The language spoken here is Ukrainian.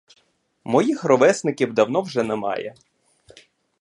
Моїх ровесників давно вже немає.